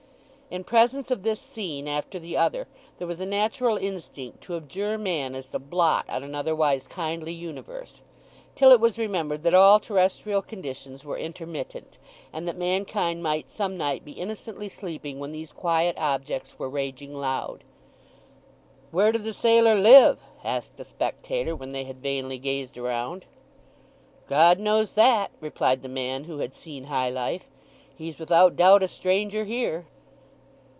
In presence of this scene after the other there was a natural instinct to abjure man as the blot on an otherwise kindly universe; till it was remembered that all terrestrial conditions were intermittent, and that mankind might some night be innocently sleeping when these quiet objects were raging loud. "Where do the sailor live?" asked a spectator, when they had vainly gazed around. "God knows that," replied the man who had seen high life. "He's without doubt a stranger here."